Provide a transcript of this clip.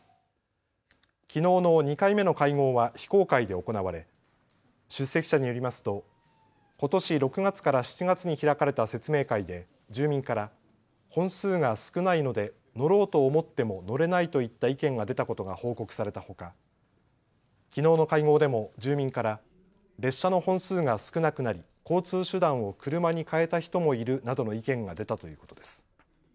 きのうの２回目の会合は非公開で行われ出席者によりますとことし６月から７月に開かれた説明会で住民から本数が少ないので乗ろうと思っても乗れないといった意見が出たことが報告されたほかきのうの会合でも住民から列車の本数が少なくなり交通手段を車に変えた人もいるなどの意見が出たということです。